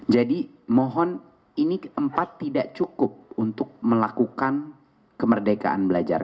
jadi mohon ini empat tidak cukup untuk melakukan kemerdekaan belajar